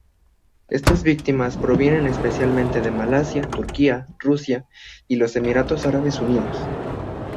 Estas víctimas provienen especialmente de Malasia, Turquía, Rusia, y los Emiratos Árabes Unidos.